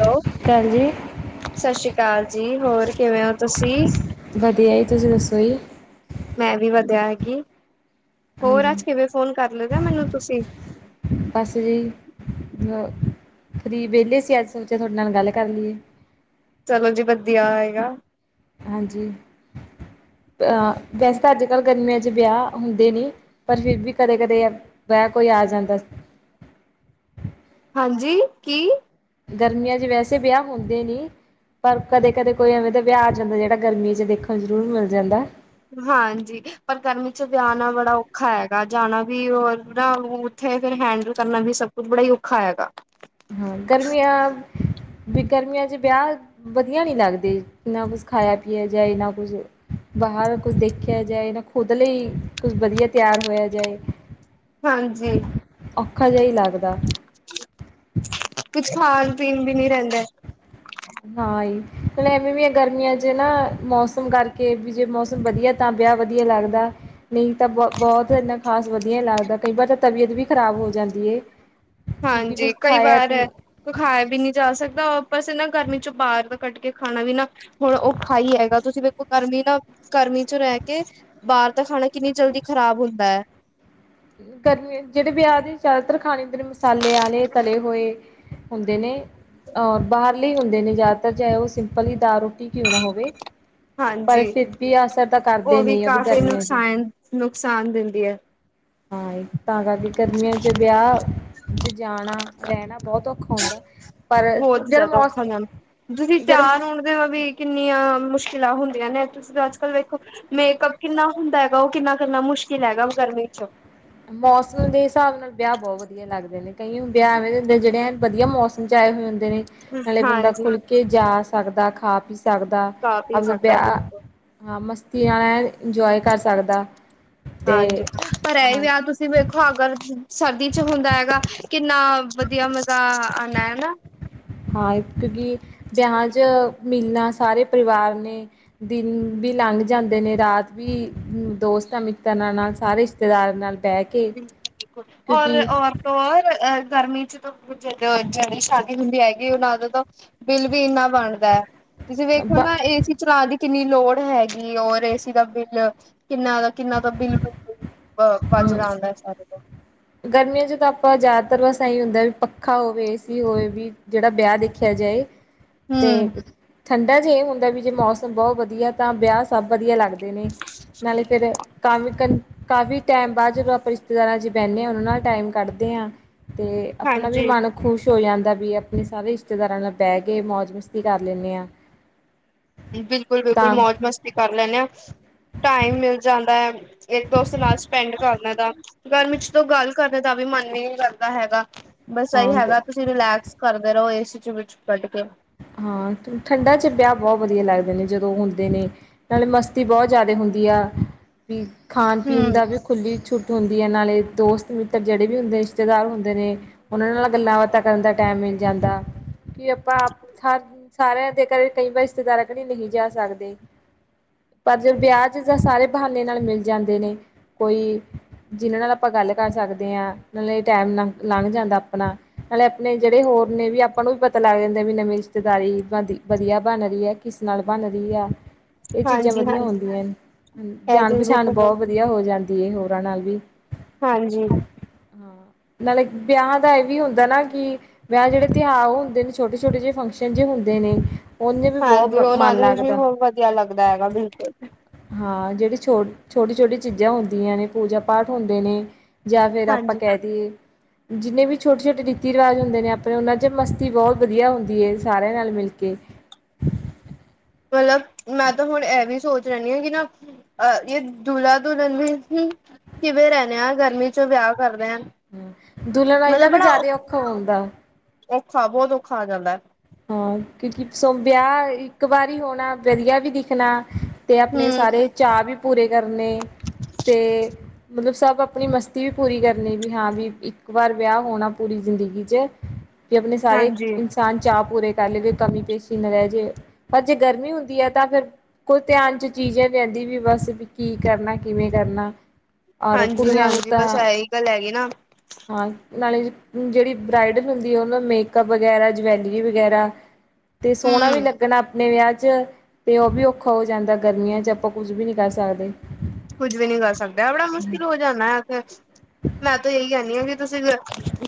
Hello ਕਾਲ ਜੀ ਸਸ਼੍ਰੀ ਅਕਾਲ ਜੀ ਹੋਰ ਕਿਵੇਂ ਹੋ ਤੁਸੀਂ ਵਧੀਆ ਜੀ ਤੁਸੀਂ ਦੱਸੋ ਜੀ ਮੈਂ ਵੀ ਵਧੀਆ ਹੈਗੀ, ਹੋਰ ਹਾਂਜੀ ਅੱਜ ਕਿਵੇਂ ਫੋਨ ਕਰ ਲਿਤਾ ਮੈਨੂੰ ਤੁਸੀਂ ਬਸ ਜੀ ਅ ਫਰੀ ਵਿਹਲੇ ਸੀ ਅੱਜ ਸੋਚਿਆ ਤੁਹਾਡੇ ਨਾਲ ਗੱਲ ਕਰ ਲਈਏ ਚਲੋ ਜੀ ਵਧੀਆ ਹੈਗਾ ਹਾਂਜੀ ਅਹ ਵੈਸੇ ਤਾਂ ਅੱਜ ਕੱਲ੍ਹ ਗਰਮੀਆਂ 'ਚ ਵਿਆਹ ਹੁੰਦੇ ਨਹੀਂ ਪਰ ਫਿਰ ਵੀ ਕਦੇ-ਕਦੇ ਅ ਵੈ ਕੋਈ ਆ ਜਾਂਦਾ ਸੀ ਹਾਂਜੀ ਕੀ ਗਰਮੀਆਂ 'ਚ ਵੈਸੇ ਵਿਆਹ ਹੁੰਦੇ ਨੇ ਪਰ ਕਦੇ ਕਦੇ ਕੋਈ ਐਵੇਂ ਦਾ ਵਿਆਹ ਆ ਜਾਂਦਾ ਜਿਹੜਾ ਗਰਮੀਆਂ 'ਚ ਦੇਖਣ ਨੂੰ ਜ਼ਰੂਰ ਮਿਲ ਜਾਂਦਾ। ਹਾਂਜੀ ਪਰ ਗਰਮੀ 'ਚ ਵਿਆਹੁਣਾ ਬੜਾ ਔਖਾ ਹੈਗਾ ਜਾਣਾ ਵੀ ਹੋਰ ਨਾ ਉ ਉੱਥੇ ਫੇਰ ਹੈਂਡਲ ਕਰਨਾ ਵੀ ਸਭ ਕੁੱਛ ਬੜਾ ਹੀ ਔਖਾ ਹੈਗਾ। ਹਾਂ ਗਰਮੀਆਂ ਵੀ ਗਰਮੀਆਂ ਚ ਵਿਆਹ ਵਧੀਆ ਨੀ ਲੱਗਦੇ, ਨਾ ਕੁਛ ਖਾਇਆ ਪੀਆ ਜਾ ਨਾ ਕੁਛ। ਬਾਹਰ ਕੁਝ ਦੇਖਿਆ ਜਾਏ ਨਾ ਖੁਦ ਲਈ ਕੁਝ ਵਧੀਆ ਤਿਆਰ ਹੋਇਆ ਜਾਏ। ਹਾਂਜੀ ਔਖਾ ਜਿਹਾ ਹੀ ਲੱਗਦਾ। ਕੁਛ ਖਾਣ ਪੀਣ ਵੀ ਨੀ ਰਹਿੰਦਾ। ਹਾਂ ਹੀ ਹ ਐਵੇਂ ਵੀ ਆ ਗਰਮੀਆਂ ਚ ਨਾ ਮੌਸਮ ਕਰਕੇ ਵੀ ਜੇ ਮੌਸਮ ਵਧੀਆ, ਤਾਂ ਵਿਆਹ ਵਧੀਆ ਲੱਗਦਾ ਨਹੀਂ ਤਾਂ ਬਹੁ ਬਹੁਤ ਇੰਨਾ ਖਾਸ ਵਧੀਆ ਹੀ ਲੱਗਦਾ ਕਈ ਵਾਰ ਤਾਂ ਤਬੀਅਤ ਵੀ ਖ਼ਰਾਬ ਹੋ ਜਾਂਦੀ ਏ। ਹਾਂਜੀ, ਕਈ ਵਾਰ ਏ ਖਾਇਆ ਵੀ ਨਹੀਂ ਜਾ ਸਕਦਾ, ਬਸ ਨਾ ਗਰਮੀ ਚੋਂ ਬਾਹਰ ਦਾ ਕੱਢ ਕੇ ਖਾਣਾ ਵੀ ਨਾ ਹੁਣ ਔਖਾ ਹੀ ਹੈਗਾ ਤੁਸੀਂ ਵੇਖੋ ਗਰਮੀ ਨਾ ਗਰਮੀ ਚ ਰਹਿ ਕੇ, ਬਾਹਰ ਤਾਂ ਖਾਣਾ ਕਿੰਨੀ ਜਲਦੀ ਖ਼ਰਾਬ ਹੁੰਦਾ ਐ। ਗ਼ਰਮੀਆਂ ਜੇੜੇ ਵਿਆਹ ਦੇ ਜ਼ਿਆਦਾਤਰ ਖਾਣੇ ਹੁੰਦੇ ਨੇ ਮਸਾਲੇ ਆਲੇ, ਤਲੇ ਹੋਏ। ਹੁੰਦੇ ਨੇ। ਬਾਹਰਲੇ ਹੁੰਦੇ ਨੇ ਜ਼ਿਆਦਾਤਰ ਚਾਹੇ ਉਹ ਸਿੰਪਲ ਹੀ ਦਾਲ ਰੋਟੀ ਕਿਉਂ ਨਾ ਹੋਵੇ। ਪਰ ਹਾਂਜੀ ਫਿਰ ਵੀ ਅਸਰ ਤਾਂ ਉਹ ਕਰਦੇ ਨੇ ਆ ਵੀ ਕਾਫ਼ੀ ਗਰਮੀਆਂ ਚ ਨੁਕਸਾਨ ਨੁਕਸਾਨ ਦਿੰਦੀ ਐ। ਹਾਂ ਤਾਂ ਕਰਕੇ ਗਰਮੀਆਂ ਚ ਵਿਆਹ ਜ ਜਾਣਾ ਰਹਿਣਾ ਬਹੁਤ ਔਖਾ ਹੁੰਦਾ ਪਰ ਬਹੁਤ ਜਿਹੜਾ ਜ਼ਿਆਦਾ ਮੌਸ ਔਖਾ ਨਾਲ ਤੁਸੀਂ ਜਦ ਤਿਆਰ ਹੋਣ ਦੇ ਵੀ ਕਿੰਨੀਆਂ ਮੁਸ਼ਕਿਲਾਂ ਹੁੰਦੀਆਂ ਨੇ, ਤੁਸੀਂ ਅੱਜ ਕੱਲ ਵੇਖੋ। ਮੇਕਅਪ ਕਿੰਨਾ ਹੁੰਦਾ ਹੈਗਾ, ਉਹ ਕਿੰਨਾ ਕਰਨਾ ਮੁਸ਼ਕਿਲ ਹੈਗਾ ਗਰਮੀ ਚ ਮੌਸਮ ਦੇ ਹਿਸਾਬ ਨਾਲ ਵਿਆਹ ਬਹੁਤ ਵਧੀਆ ਵਧੀਆ ਲੱਗਦੇ ਨੇ, ਕਈ ਹੁੰਦੇ ਇਵੇਂ ਦੇ ਜਿਹੜੇ ਵਧੀਆ ਮੌਸਮ ਚ ਆਏ ਹੋਏ ਹੁੰਦੇ ਨੇ, ਨਾਲੇ ਬੰਦਾ ਹਾਂਜੀ ਖੁੱਲ ਕੇ ਜਾ ਸਕਦਾ, ਖਾ ਪੀ ਸਕਦਾ, ਕਾਫ਼ੀ [unintelligible] ਸਕਦਾ ਵਿਆ। ਬਿਲਕੁਲ ਹਾਂ, ਮਸਤੀ ਨਾਲ ਐ ਇੰਜੋਏ ਕਰ ਸਕਦਾ, ਤੇ ਹਾਂਜੀ ਪਰ ਇਹ ਹਾਂ ਵਿਆਹ ਤੁਸੀਂ ਵੇਖੋ ਅਗਰ ਸਰਦੀ ਚ ਹੁੰਦਾ ਹੈਗਾ ਕਿੰਨਾ ਵਧੀਆ ਮਜ਼ਾ ਆਣਾ ਹਨਾ। ਹਾਂ, ਕਿਉਂਕਿ ਵਿਆਹ ਚ ਮਿਲਣਾ ਸਾਰੇ ਪਰਿਵਾਰ ਨੇ, ਦਿਨ ਵੀ ਲੰਘ ਜਾਂਦੇ ਨੇ ਰਾਤ ਵੀ ਦੋਸਤਾਂ ਮਿੱਤਰਾਂ ਨਾਲ ਸਾਰੇ ਰਿਸ਼ਤੇਦਾਰਾਂ ਨਾਲ ਬਹਿ ਕੇ ਬਿਲਕੁਲ-ਬਿਲਕੁਲ, ਔਰ ਕਿਉਂਕਿ ਔਰ ਤੋਂ ਔਰ ਗਰਮੀ ਚ ਜਦੋਂ ਜਹੀ ਸ਼ਾਦੀ ਹੁੰਦੀ ਹੈਗੀ ਉਹਨਾ ਦੋਂ ਤੋਂ ਬਿੱਲ ਵੀ ਇੰਨਾ ਬਣਦਾ ਹੈ। ਤੁਸੀਂ ਵੇਖੋ ਬ ਨਾ ਏ-ਸੀ ਚਲਾ ਦੀ ਕਿੰਨੀ ਲੋੜ ਹੈਗੀ ਔਰ ਏ-ਸੀ ਦਾ ਬਿੱਲ ਕਿੰਨਾ ਦਾ ਕਿੰਨਾ ਦਾ ਬਿੱਲ ਮ ਵੱਚ ਜਾਂਦਾ ਸਾਰਾ ਗਰਮੀਆਂ ਚ ਤਾਂ ਆਪਾਂ ਜ਼ਿਆਦਾਤਰ ਬਸ ਏਹੀ ਹੁੰਦਾ ਵੀ ਪੱਖਾ ਹੋਵੇ ਏ-ਸੀ ਹੋਵੇ ਵੀ ਜਿਹੜਾ ਵਿਆਹ ਦੇਖਿਆ ਜਾਏ। ਤੇ ਹਮ ਠੰਡਾ ਚ ਇਹ ਹੁੰਦਾ ਵੀ ਜੇ ਮੌਸਮ ਬੋਹ ਵਧੀਆ ਤਾਂ ਵਿਆਹ ਸਭ ਵਧੀਆ ਲੱਗਦਾ। ਨੇ ਨਾਲੇ ਫੇਰ ਕਾਫੀ ਕਾਫੀ ਟਾਈਮ ਬਾਅਦ ਜਦੋਂ ਆਪਾਂ ਰਿਸ਼ਤੇਦਾਰਾਂ ਚ ਪਹਲੇ ਉਹਨਾਂ ਨਾਲ ਟਾਈਮ ਕੱਢਦੇ ਹਾਂ, ਤੇ ਆਪਣਾ ਵੀ ਹਾਂਜੀ ਮਨ ਖੁਸ਼ ਹੋ ਜਾਂਦਾ ਵੀ ਆਪਣੇ ਸਾਰੇ ਰਿਸ਼ਤੇਦਾਰਾਂ ਨਾਲ ਬਹਿ ਕੇ ਮੌਜ ਮਸਤੀ ਕਰ ਲੈਂਨੇ ਆਂ। [inaudible] ਬਿਲਕੁਲ-ਬਿਲਕੁਲ, ਮੌਜ ਮਸਤੀ ਕਰ ਲੈਂਨੇ ਆ ਟਾਈਮ ਮਿਲ ਜਾਂਦਾ ਐ। ਇੱਕ ਦੋਸਤ ਨਾਲ ਸਪੈਂਡ ਕਰਨੇ ਦਾ ਗਰਮੀ ਚ ਤੋਂ ਗੱਲ ਕਰਨ ਦਾ ਵੀ ਮਨ ਹੀ ਨੀ ਕਰਦਾ ਹੈਗਾ। ਬਸ ਇਹੀ ਹਾਂ ਹੈਗਾ ਤੁਸੀਂ ਰਿਲੈਕਸ ਕਰਦੇ ਰਹੋ ਏ-ਸੀ ਚ ਵਿੱਚ ਕੱਢ ਕੇ। ਹਾਂ, ਠੰਢਾ ਚ ਵਿਆਹ ਬਹੁਤ ਵਧੀਆ ਲੱਗਦੇ ਨੇ ਜਦੋਂ ਹੁੰਦੇ ਨੇ। ਨਾਲੇ ਮਸਤੀ ਬਹੁਤ ਜ਼ਿਆਦਾ ਹੁੰਦੀ ਆ, ਵੀ ਖਾਣ ਪੀਣ ਹਮ ਦਾ ਵੀ ਖੁੱਲ੍ਹੀ ਛੁੱ ਹੁੰਦੀ ਹੈ ਨਾਲੇ, ਦੋਸਤ ਮਿੱਤਰ ਜਿਹੜੇ ਵੀ ਹੁੰਦੇ ਰਿਸ਼ਤੇਦਾਰ ਹੁੰਦੇ ਨੇ ਉਹਨਾਂ ਨਾਲ ਗੱਲਾਂ ਬਾਤਾਂ ਕਰਨ ਦਾ ਟਾਈਮ ਮਿਲ ਜਾਂਦਾ, ਕੀ ਆਪਾਂ ਸ ਸਾਰਿਆਂ ਦੇ ਘਰ, ਕਈ ਵਾਰ ਰਿਸ਼ਤੇਦਾਰਾਂ ਕੇ ਨਹੀਂ ਜਾ ਸਕਦੇ। ਪਰ ਜੇ ਵਿਆਹ 'ਚ ਤਾਂ, ਸਾਰੇ ਬਹਾਨੇ ਨਾਲ ਮਿਲ ਜਾਂਦੇ ਨੇ ਕੋਈ ਜਿਨਾਂ ਨਾਲ ਆਪਾਂ ਗੱਲ ਕਰ ਸਕਦੇ ਹਾਂ, ਨਾਲੇ ਟਾਈਮ ਲੰਘ ਜਾਂਦਾ ਆਪਣਾ। ਨਾਲੇ ਆਪਣੇ ਜਿਹੜੇ ਹੋਰ ਨੇ ਵੀ, ਆਪਾਂ ਨੂੰ ਵੀ ਪਤਾ ਲੱਗ ਜਾਂਦੇ ਵੀ ਨਵੇਂ ਰਿਸ਼ਤੇਦਾਰੀ ਵ ਵਧੀਆ ਬਣ ਰਹੀ ਹੈ, ਕਿਸ ਨਾਲ ਬਣ ਰਹੀ ਹੈ। ਇਹ ਚੀਜ਼ਾਂ ਹਾਂਜੀ ਵਧੀਆ ਹਾਂਜੀ ਹੁੰਦੀਆਂ ਹਨ, ਇਹ ਜਾਣ ਚੀਜ਼ ਪਛਾਣ ਬਿਲਕੁਲ ਬਹੁਤ ਵਧੀਆ ਵਧੀਆ ਹੋ ਜਾਂਦੀ ਹੋਰਾਂ ਨਾਲ ਵੀ, ਹਾਂਜੀ ਹਾਂ। ਨਾਲੇ ਵਿਆਹ ਦਾ ਇਹ ਵੀ ਹੁੰਦਾ ਨਾ, ਕਿ ਵਿਆਹ ਜਿਹੜੇ ਤਿਉਹਾਰ ਉਹ ਹੁੰਦੇ ਨੇ, ਛੋਟੇ ਛੋਟੇ ਜਿਹੇ ਫੰਕਸ਼ਨ ਨ ਜਿਹੇ ਹੁੰਦੇ ਨੇ ਉਹਨੇ ਵੀ ਹਾਂਜੀ ਬਹੁਤ ਉਹਨਾਂ ਮਨ ਦੇ ਵਿੱਚ ਵੀ ਲੱਗਦਾ ਬਹੁਤ ਵਧੀਆ ਲੱਗਦਾ ਹੈਗਾ, ਬਿਲਕੁਲ। ਹਾਂ ਜਿਹੜੀ ਛੋ ਛੋਟੀ ਛੋਟੀ ਚੀਜ਼ਾਂ ਹੁੰਦੀਆਂ ਨੇ, ਪੂਜਾ ਪਾਠ ਹੁੰਦੇ ਨੇ ਜਾਂ ਫੇਰ ਆਪਾਂ ਹਾਂਜੀ ਕਹਿ ਦੇਈਏ ਜਿੰਨੇ ਵੀ ਛੋਟੇ ਛੋਟੇ ਰੀਤੀ ਰਿਵਾਜ਼ ਹੁੰਦੇ ਨੇ, ਆਪਣੇ ਉਹਨਾਂ 'ਚ ਮਸਤੀ ਬਹੁਤ ਵਧੀਆ ਹੁੰਦੀ ਹੈ। ਸਾਰਿਆਂ ਨਾਲ ਮਿਲ ਕੇ। ਮਤਲਬ, ਮੈਂ ਤਾਂ ਹੁਣ ਇਹ ਵੀ ਸੋਚ ਲੈਨੀ ਹਾਂ ਕਿ ਨਾ ਅਹ ਇਹ ਦੁਹਲਾ ਦੁਹਲਨ ਵੀ ਕਿਵੇਂ ਰਹਿਣਾ ਆ, ਗਰਮੀ 'ਚ ਵਿਆਹ ਕਰਦੇ ਆ। ਹ, ਦੁਹਲਨ ਇਹਨਾਂ ਮਤਲਬ ਦਾ ਬੜਾ ਜ਼ਿਆਦਾ ਔਖਾ ਹੁੰਦਾ। ਔਖਾ, ਬਹੁਤ ਔਖਾ ਆ ਜਾਂਦਾ। ਹਾਂ, ਕਿਉਂਕਿ ਸੋ ਵਿਆਹ ਇੱਕ ਵਾਰ ਹੋਣਾ, ਵਧੀਆ ਵੀ ਦਿਖਣਾ ਤੇ ਆਪਣੇ ਹਮ ਸਾਰੇ ਚਾਅ ਵੀ ਪੂਰੇ ਕਰਨੇ, ਤੇ ਮਤਲਬ ਸਭ ਆਪਣੀ ਮਸਤੀ ਵੀ ਪੂਰੀ ਕਰਨੀ ਵੀ ਹਾਂ ਵੀ, ਇੱਕ ਵਾਰ ਵਿਆਹ ਹੋਣਾ ਪੂਰੀ ਜ਼ਿੰਦਗੀ 'ਚ। ਕਿ ਆਪਣੇ ਸਾਰੇ ਹਾਂਜੀ ਇਨਸਾਨ ਚਾਅ ਪੂਰੇ ਕਰ ਲਈਦੇ ਕਮੀ ਪੇਸ਼ੀ ਨਾ ਰਹਿ ਜੇ, ਪਰ ਜੇ ਗਰਮੀ ਹੁੰਦੀ ਹੈ ਤਾਂ ਫਿਰ ਕੋਈ ਧਿਆਨ 'ਚ ਚੀਜ਼ ਹੈ ਪੈਂਦੀ ਵੀ ਬਸ, ਵੀ ਕੀ ਕਰਨਾ, ਕਿਵੇਂ ਕਰਨਾ। ਔਰ ਹਾਂਜੀ ਕੁੜੀਆਂ ਨੂੰ -ਹਾਂਜੀ ਬਸ, ਤਾਂ ਇਹੀ ਗੱਲ ਹੈਗੀ ਨਾ। ਹਾਂ, ਨਾਲੇ ਜਿਹੜੀ ਬਰਾਈਡਲ ਹੁੰਦੀ ਹੈ ਉਹਨਾਂ ਮੇਕਅਪ ਵਗੈਰਾ ਜਵੈਲ ਰੀ ਵਗੈਰਾ, ਤੇ ਸੋਹਣਾ ਵੀ ਹੂੰ ਲੱਗਣਾ ਆਪਣੇ ਵਿਆਹ ਚ' ਅਤੇ ਉਹ ਵੀ ਔਖਾ ਹੋ ਜਾਂਦਾ, ਗਰਮੀਆਂ 'ਚ ਆਪਾਂ ਕੁਝ ਵੀ ਨਹੀਂ ਕਰ ਸਕਦੇ। ਕੁੱਝ ਵੀ ਨੀ ਕਰ ਸਕਦੇ ਬੜਾ ਮੁਸ਼ਕਿਲ ਹੋ ਜਾਣਾ ਹੈ 'ਉੱਥੇ, ਮੈਂ ਤਾਂ ਇਹੀ ਕਹਿੰਦੀ ਹਾਂ ਕਿ ਤੁਸੀਂ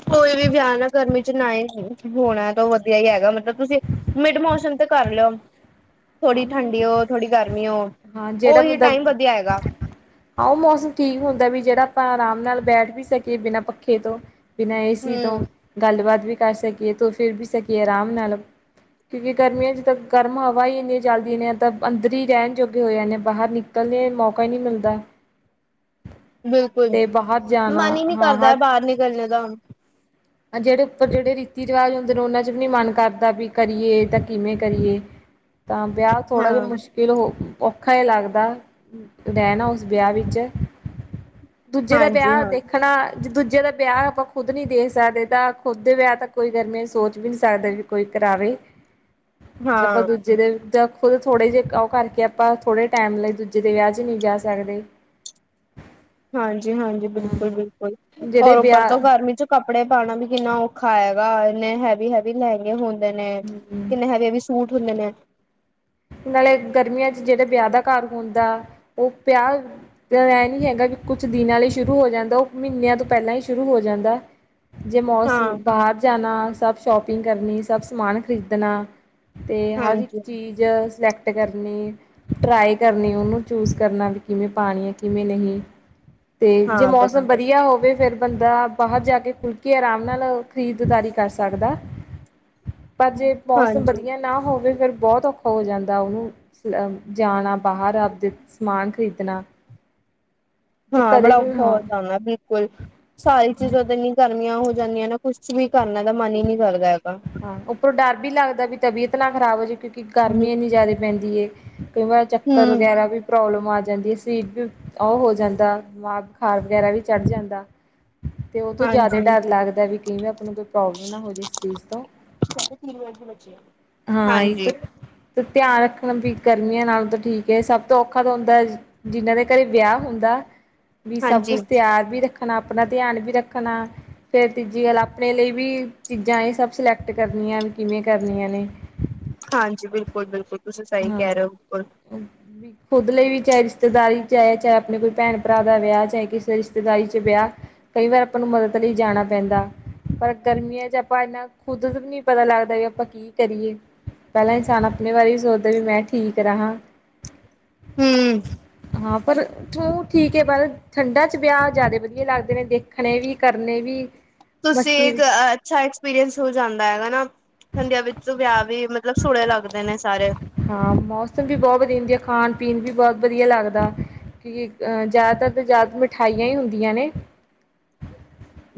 ਕੋਈ ਵੀ ਵਿਆਹ ਨਾ ਗਰਮੀ 'ਚ ਨਾ ਹੀ ਕਰੇ, ਹੋਣਾ ਤਾਂ ਉਹ ਵਧੀਆ ਹੀ ਹੈਗਾ ਮਤਲਬ ਤੁਸੀਂ ਮਿਡ ਮੌਸਮ ਤੇ ਕਰ ਲਿਓ। ਥੋੜ੍ਹੀ ਠੰਡੀ ਹੋ, ਥੋੜੀ ਗਰਮੀ ਹੋ, ਹਾਂ ਉਹੀ ਟਾਈਮ ਵਧੀਆ ਹੈਗਾ। ਆਹੋ ਮੌਸਮ ਠੀਕ ਹੁੰਦਾ ਵੀ, ਜਿਹੜਾ ਆਪਾਂ ਆਰਾਮ ਨਾਲ ਬੈਠ ਵੀ ਸਕੀਏ ਬਿਨਾਂ ਪੱਖੇ ਤੋਂ ਬਿਨਾਂ ਏ ਸੀ ਹੂੰ ਤੋਂ ਗੱਲਬਾਤ ਵੀ ਕਰ ਸਕੀਏ, ਤੁਰ ਫਿਰ ਵੀ ਸਕੀਏ ਆਰਾਮ ਨਾਲ। ਕਿਉਂਕਿ ਗਰਮੀਆਂ 'ਚ ਤਾਂ, ਗਰਮ ਹਵਾ ਹੀ ਇਨੀ ਚੱਲਦੀ ਆਂ ਨੇ ਤਾਂ ਅੰਦਰ ਹੀ ਰਹਿਣ ਜੋਗੇ ਹੋ ਜਾਨੇ ਆ, ਬਾਹਰ ਨਿਕਲਣੇ ਮੌਕਾ ਹੀ ਨਹੀਂ ਮਿਲਦਾ। ਬਿਲਕੁਲ ਤੇ ਬਾਹਰ ਜਾਣਾ, ਮਨ ਹੀ ਨੀ ਹਾਂ ਹਰ ਕਰਦਾ ਬਾਹਰ ਨਿਕਲਣੇ ਦਾ, ਹੁਣ ਜਿਹੜੇ ਉੱਪਰ ਜਿਹੜੇ ਰੀਤੀ ਰਿਵਾਜ ਹੁੰਦੇ ਨੇ ਉਹਨਾਂ 'ਚ ਵੀ ਨੀ ਮਨ ਕਰਦਾ, ਵੀ ਕਰੀਏ ਤਾਂ ਕਿਵੇਂ ਕਰੀਏ। ਤਾਂ ਵਿਆਹ, ਥੋੜਾ ਹਾਂ ਜ ਮੁਸ਼ਕਿਲ ਹੋ ਔਖਾ ਹੀ ਲੱਗਦਾ, ਰਹਿਣਾ ਉਸ ਵਿਆਹ ਵਿੱਚ। ਦੂਜੇ ਦਾ ਹਾਂਜੀ ਵਿਆਹ ਹਾਂ ਦੇਖਣਾ, ਦੂਜੇ ਦਾ ਵਿਆਹ ਆਪਾਂ ਖੁਦ ਨੀ ਦੇਖ ਸਕਦੇ ਤਾਂ ਖੁੱਦ ਦੇ ਵਿਆਹ ਤਾਂ ਕੋਈ ਗਰਮੀੇ ਸੋਚ ਵੀ ਨਹੀਂ ਸਕਦਾ ਵੀ ਕੋਈ ਕਰਾਵੇ। ਜੇ ਹਾਂ ਆਪਾਂ ਦੂਜ ਜਿਹਦੇ ਖੁਦ ਥੋੜੇ ਜਿਹੇ ਉਹ ਕਰਕੇ ਆਪਾਂ ਥੋੜੇ ਟਾਈਮ ਲਈ ਦੂਜੇ ਦੇ ਵਿਆਹ ਚ ਨਹੀਂ ਜਾ ਸਕਦੇ। [inaudible] ਹਾਂਜੀ-ਹਾਂਜੀ, ਬਿਲਕੁਲ-ਬਿਲਕੁਲ ਜਿਹੜੇ ਔਰ ਉਪਰ ਤੋਂ ਵਿਆਹ ਗਰਮੀ ਚ' ਕੱਪੜੇ ਪਾਉਣਾ ਵੀ ਕਿੰਨਾ ਔਖਾ ਹੈਗਾ। ਇੰਨੇ ਹੈਵੀ, ਹੈਵੀ ਲਹਿੰਗੇ ਹੁੰਦੇ ਨੇ। ਹਮ ਕਿੰਨੇ ਹੈਵੀ-ਹੈਵੀ ਸੂਟ ਹੁੰਦੇ ਨੇ। ਨਾਲੇ ਗਰਮੀਆਂ ਚ, 'ਜਿਹੜੇ ਵਿਆਹ ਦਾ ਘਰ ਹੁੰਦਾ। ਉਹ ਵਿਆਹ ਇਹ ਨਹੀਂ ਹੈਗਾ ਵੀ ਕੁਛ ਦਿਨਾਂ ਲਈ ਸ਼ੁਰੂ ਹੋ ਜਾਂਦਾ ਉਹ ਮਹੀਨਿਆਂ ਤੋਂ ਪਹਿਲਾਂ ਹੀ ਸ਼ੁਰੂ ਹੋ ਜਾਂਦਾ। ਜੇ ਮੋਸਮ ਹਾਂ ਬਾਹਰ ਜਾਣਾ। ਸਭ ਸ਼ੋਪਿੰਗ ਕਰਨੀ, ਸਭ ਸਮਾਨ ਖ਼ਰੀਦਣਾ। ਤੇ, ਹਰ ਇੱਕ ਹਾਂਜੀ ਚੀਜ਼ ਸਿਲੈਕਟ ਕਰਨੀ। ਟਰਾਈ ਕਰਨੀ। ਉਹਨੂੰ ਚੂਸ ਕਰਨਾ ਵੀ ਕਿਵੇਂ ਪਾਉਣੀ ਹੈ। ਕਿਵੇਂ ਨਹੀਂ ਤੇ, ਜੇ ਹਾਂ ਮੌਸਮ ਬਿਲਕੁਲ ਵਧੀਆ ਹੋਵੇ। ਫਿਰ ਬੰਦਾ ਬਾਹਰ ਜਾ ਕੇ ਖੁੱਲ ਕੇ ਆਰਾਮ ਨਾਲ ਖਰੀਦਦਾਰੀ ਕਰ ਸਕਦਾ। ਪਰ ਜੇ ਮੌਸਮ ਹਾਂਜੀ ਵਧੀਆ ਨਾ ਹੋਵੇ। ਫਿਰ ਬਹੁਤ ਔਖਾ ਹੋ ਜਾਂਦਾ। ਉਹਨੂੰ ਜਾਣਾ ਬਾਹਰ ਆਪਦੇ ਸਮਾਨ ਖਰੀਦਣਾ। ਜੇ ਹਾਂ, ਕਦੇ ਬੜਾ ਵੀ ਔਖਾ ਹਾਂ ਹੋ ਜਾਂਦਾ, ਬਿਲੁਕੁਲ। ਬਿਲਕੁਲ, ਸਾਰੀ ਚੀਜ਼ਾਂ ਤੇਨੀ ਗਰਮੀਆਂ ਹੋ ਜਾਂਦੀਆਂ ਨਾ ਕੁਛ ਵੀ ਕਰਨਾ ਦਾ ਮਨ ਹੀ ਨਹੀਂ ਕਰਦਾ ਹੈਗਾ। ਹਾਂ, ਉੱਪਰੋਂ ਡਰ ਵੀ ਲੱਗਦਾ ਵੀ ਤਬੀਅਤ ਨਾ ਖ਼ਰਾਬ ਹੋ ਜਾਵੇ। ਕਿਉਂਕਿ ਗਰਮੀ ਇੰਨੀ ਜ਼ਿਆਦਾ ਪੈਂਦੀ ਹੈ। ਕਈ ਵਾਰ ਚੱਕਰ ਹਮ ਵਗੈਰਾ ਵੀ ਪ੍ਰੋਬਲਮ ਆ ਜਾਂਦੀ ਹੈ। ਸੀਰੀਟ ਵੀ ਉਹ ਹੋ ਜਾਂਦਾ ਬੁਖਾਰ ਵਗੈਰਾ ਵੀ ਚੜ ਜਾਂਦਾ। ਤੇ ਉਹ ਤੋਂ ਜਿਆਦਾ ਹਾਂਜੀ ਡਰ ਲੱਗਦਾ ਵੀ ਕਈ ਵਾਰ ਆਪ ਨੂੰ ਕੋਈ ਪ੍ਰੋਬਲਮ ਨਾ ਹੋ ਜਾਵੇ। ਇਸ ਚੀਜ਼ ਤੋਂ ਸਾਢੇ ਤਿੰਨ ਵਜੇ ਦੀ ਬਚੇ ਹਾਂ, ਇਹ ਤਾਂ ਧਿਆਨ ਰੱਖਣ ਵੀ ਗਰਮੀਆਂ ਨਾਲੋਂ ਤਾਂ ਠੀਕ ਹੈ। ਸਭ ਤੋਂ ਔਖਾ ਤਾਂ ਹੁੰਦਾ ਜਿਹਨਾਂ ਦੇ ਘਰੇ ਵਿਆਹ ਹੁੰਦਾ। ਵੀ ਸਭ ਹਾਂਜੀ ਕੁਛ ਤਿਆਰ ਵੀ ਰੱਖ ਰੱਖਣਾ ਆਪਣਾ ਧਿਆਨ ਵੀ ਰੱਖਣਾ। ਫੇਰ ਤੀਜੀ ਗੱਲ, ਆਪਣੇ ਲਈ ਵੀ ਚੀਜ਼ਾਂ ਇਹ ਸਭ ਸਿਲੈਕਟ ਕਰਨੀਆਂ, ਕਿਵੇਂ ਕਰਨੀਆਂ ਨੇ। ਹਾਂਜੀ, ਬਿਲਕੁਲ-ਬਿਲਕੁਲ ਤੁਸੀਂ ਸਹੀ ਕਹਿ ਰਹੇ ਹੋ। ਉਪਲ ਉਹ ਵੀ ਖੁਦ ਲਈ ਵੀ ਚਾਹੇ ਰਿਸ਼ਤੇਦਾਰੀ ਚ' ਹੈ। ਚਾਹੇ ਆਪਣੇ ਕੋਈ ਭੈਣ- ਭਰਾ ਦਾ ਵਿਆਹ ਚਾਹੇ ਕਿਸੇ ਰਿਸ਼ਤੇਦਾਰੀ ਚ' ਵਿਆਹ। ਕਈ ਵਾਰ ਆਪਾਂ ਨੂੰ ਮਦਦ ਲਈ ਜਾਣਾ ਪੈਂਦਾ। ਪਰ, ਗਰਮੀਆਂ ਚ' ਆਪਾਂ ਇੰਨਾ ਖੁੱਦ ਵੀ ਨਹੀਂ ਪਤਾ ਲੱਗਦਾ ਵੀ ਆਪਾਂ ਕੀ ਕਰੀਏ। ਪਹਿਲਾਂ ਇਨਸਾਨ ਆਪਣੇ ਬਾਰੇ ਵੀ ਸੋਚਦਾ ਵੀ ਮੈਂ ਠੀਕ ਰਹਾ। ਹਮ। ਹਾਂ। ਪਰ ਹੂੰ, ਠੀਕ ਹੈ। ਮਲ ਠੰਡਾ ਚ' ਵਿਆਹ ਜ਼ਿਆਦਾ ਵਧੀਆ ਲੱਗਦੇ ਨੇ ਦੇਖਣੇ ਵੀ, ਕਰਨੇ ਵੀ। ਮਸਤੀ ਤੁਸੀਂ, ਵੀ। ਅੱਛਾ। ਐਕਸਪੀਰੀੰਸ ਹੋ ਜਾਂਦਾ ਹੈਗਾ ਨਾ। ਠੰਡੀਆਂ ਵਿੱਚ ਵਿਆਹ ਵੀ ਮਤਲਬ ਸੋਹਣੇ ਲੱਗਦੇ ਨੇ ਸਾਰੇ। ਹਾਂ, ਮੌਸਮ ਵੀ ਬਹੁਤ ਵਧੀਆ ਹੁੰਦੀ ਆ। ਖਾਣ- ਪੀਣ ਵੀ ਬਹੁਤ ਵਧੀਆ ਲੱਗਦਾ। ਕਿਆ ਜ਼ਿਆਦਾਤਰ ਤਾਂ ਜ਼ਿਆਦਾ ਮਿਠਾਈਆਂ ਹੀ ਹੁੰਦੀਆਂ ਨੇ।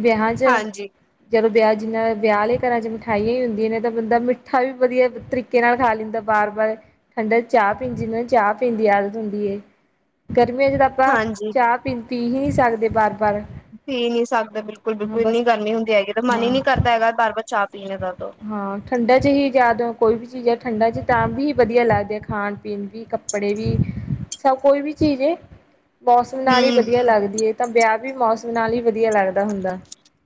ਵਿਆਹ ਚ ਹਾਂਜੀ। ਜਦੋਂ ਵਿਆਹ ਜਿੰਨਾ ਵਿਆਹੇ ਘਰਾਂ ਚ' ਮਿਠਾਈਆਂ ਹੀ ਹੁੰਦੀਆਂ ਨੇ। ਤਾਂ ਬੰਦਾ ਮਿੱਠਾ ਵੀ ਵਧੀਆ ਤਰੀਕੇ ਨਾਲ ਖਾ ਲੈਂਦਾ। ਬਾਰ- ਬਾਰ ਠੰਡਾ ਚ' ਚਾਹ ਪੀਂ ਜਾਂਦੇ। ਚਾਹ-ਪੀਣ ਦੀ ਆਦਤ ਹੁੰਦੀ ਹੈ। ਗਰਮੀਆਂ ਚ' ਤਾਂ ਆਪਾਂ ਹਾਂਜੀ ਚਾਹ -ਪੀਣ ਪੀ ਹੀ ਨਹੀਂ ਸਕਦੇ। ਬਾਰ -ਬਾਰ ਪੀ ਨਹੀਂ ਸਕਦੇ। ਬਿਲਕੁਲ- ਬਿਲਕੁਲ ਇੰਨੀ ਗਰਮੀ ਹੁੰਦੀ ਹੈਗੀ, ਤਾਂ ਮਨ ਹੀ ਹਾਂ ਨਹੀਂ ਕਰਦਾ ਹੈਗਾ ਬਾਰ- ਬਾਰ ਚਾਹ -ਪੀਣ ਦਾ। ਹਾਂ। ਠੰਡਾ ਚ' ਹੀ ਜ਼ਦ ਕੋਈ ਵੀ ਚੀਜ਼ ਹੈ ਠੰਡਾ ਚ' ਤਾਂ ਵੀ ਵਧੀਆ ਲੱਗਦੇ ਖਾਣ- ਪੀਣ ਵੀ ਕੱਪ ਕੱਪੜੇ ਵੀ ਸਭ ਕੋਈ ਵੀ ਚੀਜ਼। ਮੌਸਮ ਨਾਲ ਹੀ ਹੂੰ ਵਧੀਆ ਲੱਗਦੀ ਹੈ। ਤਾਂ ਵਿਆਹ ਵੀ ਮੌਸਮ ਨਾਲ ਹੀ ਵਧੀਆ ਲੱਗਦਾ ਹੁੰਦਾ।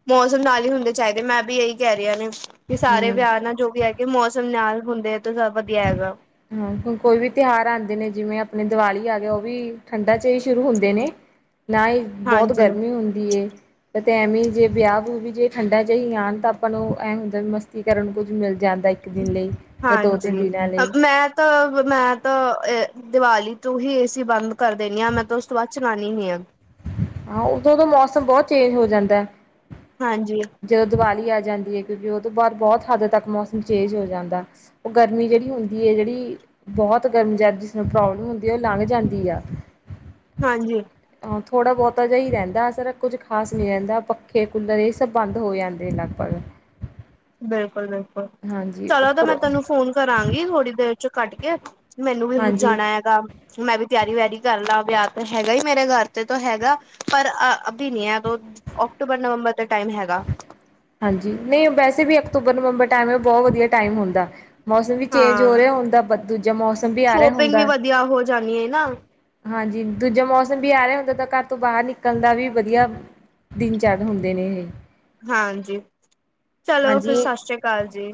ਮੌਸਮ ਨਾਲ ਹੀ ਹੁੰਦੇ ਚਾਈਦੇ ਮੈਂ ਵੀ ਇਹੀ ਕੈ ਰੇਈ ਹਾ ਨੇ ਵੀ ਸਾਰੇ ਹਮ ਵਿਆਹ ਨਾਲ ਜੋ ਵੀ ਹੈ। ਮੌਸਮ ਨਾਲ ਹੁੰਦੇ ਹੈ ਤਾਂ ਜਾਦਾ ਵਧੀਆ ਹੈਗਾ। ਹਾਂ। ਹ ਕੋਈ ਵੀ ਤਿਉਹਾਰ ਆਂਦੇ ਨੇ ਜਿਵੇਂ ਆਪਣੇ ਦੀਵਾਲੀ ਆ ਗਿਆ। ਉਹ ਵੀ ਠੰਢਾ ਚ' ਹੀ ਸ਼ੁਰੂ ਹੁੰਦੇ ਨੇ। ਨਾ ਹੀ ਬੋਤ ਹਾਂਜੀ। ਗਰਮੀ ਹੁੰਦੀ। ਤੇ ਐਵੇਂ ਜੇ ਵਿਆਹ- ਵਿਹੁ ਵੀ ਜੇ ਠੰਡਾਂ ਚ' ਹੀ ਆਣ ਤਾਂ ਆਪਾਂ ਨੂੰ ਐ ਹੁੰਦਾ ਮਸਤੀ ਕਰਨ ਨੂੰ ਕੁੱਝ ਮਿਲਦਾ। ਜਾਂਦਾ ਇੱਕ ਦਿਨ ਲਈ ਜਾਂ ਦੋ ਹਾਂਜੀ। ਤਿੰਨ ਦਿਨਾਂ ਲਈ ਮੈਂ ਤਾਂ ਮੈਂ ਤਾਂ ਦੀਵਾਲੀ ਤੋਂ ਹੀ ਏਸੀ ਬੰਦ ਕਰ ਦੇਣੀ ਆ। ਮੈਂ ਤਾਂ ਉਸ ਤੋਂ ਬਾਅਦ ਚਲਾਣੀ ਹੀ ਨੀ ਹਾਂ। ਹਾਂ। ਉਦੋਂਦੋਂ ਮੌਸਮ ਬੋਤ ਚੇਂਜ ਹੋ ਜਾਂਦਾ। ਹਾਂਜੀ ਜਦੋ ਦੀਵਾਲੀ ਆ ਜਾਂਦੀ ਹੈ। ਕਿਉਂਕਿ ਉਹ ਤੋ ਬਾਦ ਬੋਤ ਹੱਦ ਤੱਕ ਮੌਸਮ ਚੇਂਜ ਹੋ ਜਾਂਦਾ। ਉਹ ਗਰਮੀ ਜੇੜੀ ਹੁੰਦੀ ਹੈ। ਜੇੜੀ ਬੋਤ ਗਰਮੀ, ਜੱਦ ਜਿਸਨੂੰ ਪ੍ਰੋਬਲਮ ਹੁੰਦੀ ਏ ਉਹ ਲੰਘ ਜਾਂਦੀ ਏ। ਹਾਂਜੀ ਆਹ ਥੋੜਾ ਬੋਤਾ ਜਿਹਾ ਹੀ ਰੈਂਦਾ ਅਸਰ। ਕੁੱਝ ਖਾਸ ਨਹੀਂ ਰੈਂਦਾ। ਪੱਖੇ, ਕੂਲਰ, ਏ ਸੀ ਤੇ ਬੰਦ ਹੋ ਜਾਂਦੇ ਲਗਭਗ। ਬਿਲਕੁਲ-ਬਿਲਕੁਲ ਹਾਂਜੀ ਚਲੋ ਤੇ ਮੈਂ ਉੱਪਰੋਂ ਤੁਹਾਨੂੰ ਫੋਨ ਕਰਾਂਗੀ, ਥੋੜੀ ਦੇਰ ਚ ਕੱਟ ਕੇ। ਮੈਨੂੰ ਵੀ ਵ ਹਾਂਜੀ ਜਾਨਾ ਹੈਗਾ। ਮੈਂ ਵੀ ਤਿਆਰੀ ਵਿਆਰੀ ਕਰ ਲਾਂ। ਵਿਆਹ ਤੇ ਹੈਗਾ ਹੀ ਮੇਰੇ ਘਰ ਤੇ ਤਾ ਹੈਗਾ। ਪਰ ਆ ਅਭੀ ਨੀ ਹੈ। ਬੋਤ ਓਕਟੂਬਰ, ਨਵੰਬਰ ਦੇ ਟਾਈਮ ਹੈਗਾ। ਹਾਂਜੀ ਨਹੀਂ, ਵੈਸੇ ਵੀ ਅਕਤੂਬਰ ਨਵੰਬਰ ਟਾਈਮ ਤੇ ਬੋਤ ਵਧੀਆ ਟਾਈਮ ਹੁੰਦਾ। ਮੌਸਮ ਵੀ ਚੇਂਜ ਹਾਂ ਹੋ ਰਿਹਾ ਹੁੰਦਾ। ਤੇ ਦੂਜਾ ਮੌਸਮ ਵੀ ਆ ਰਿਹਾ ਸ਼ੋਪਿੰਗ ਹੁੰਦਾ ਵੀ ਏ। ਵਧੀਆ ਹੋ ਜਾਣੀ ਹੈ ਨਾ ਹਾਂਜੀ ਦੂਜਾ ਮੌਸਮ ਵੀ ਆ ਰੇ ਆ ਹੁੰਦਾ। ਤੇ ਘਰ ਤੋਂ ਬਾਰ ਨਿਕਲਨ ਦਾ ਵੀ ਵਧੀਆ। ਦਿਨ ਚੜ ਰੇਹੇ ਹੁੰਦੇ ਨੇਂ, ਇਹ। ਹਾਂਜੀ ਚਲੋ, ਫਿਰ ਹਾਂਜੀ ਸਤਿ ਸ਼੍ਰੀ ਅਕਾਲ ਜੀ।